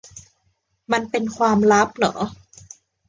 มันเป็นความลับหรอ